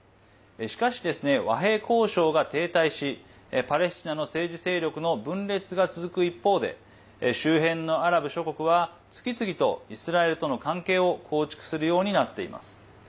しかし、和平交渉が停滞しパレスチナの政治勢力の分裂が続く一方で周辺のアラブ諸国は次々とイスラエルとの関係を構築するようになっています。